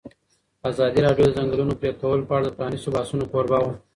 ازادي راډیو د د ځنګلونو پرېکول په اړه د پرانیستو بحثونو کوربه وه.